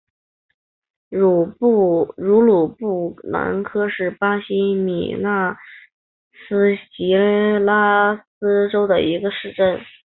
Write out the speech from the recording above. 欧鲁布兰科是巴西米纳斯吉拉斯州的一个市镇。